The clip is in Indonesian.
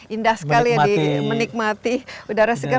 indah sekali ya di menikmati udara segar